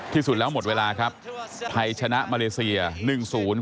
ที่สุดแล้วหมดเวลาครับไทยชนะมาเลเซียหนึ่งศูนย์